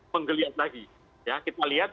menggeliat lagi kita lihat